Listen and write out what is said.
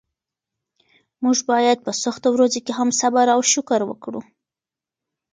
موږ باید په سختو ورځو کې هم صبر او شکر وکړو.